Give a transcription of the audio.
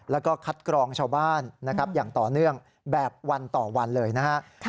แล้วก็คัดกรองชาวบ้านนะครับอย่างต่อเนื่องแบบวันต่อวันเลยนะครับ